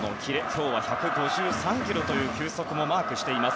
今日は１５３キロという球速もマークしています